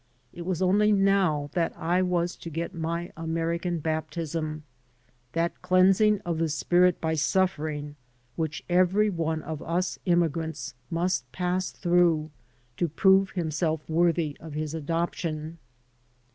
It was only now that I was to get my American baptism — ^that cleansing of the spirit by suflfering which every one of us immigrants must pass through to prove himself worthy of his adoption.